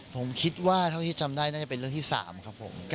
ผมคิดว่าเท่าที่จำได้น่าจะเป็นเรื่องที่๓ครับผม